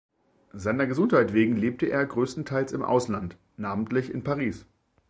Seiner Gesundheit wegen lebte er größtenteils im Ausland, namentlich in Paris.